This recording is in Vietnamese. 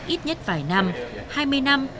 ít nhất vài năm hai mươi năm